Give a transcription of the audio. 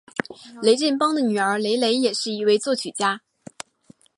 雷振邦的女儿雷蕾也是一位作曲家。